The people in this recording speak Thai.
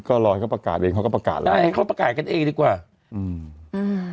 ก็ลอยเขาประกาศเองเขาก็ประกาศแล้วใช่เขาประกาศกันเองดีกว่าอืมอืม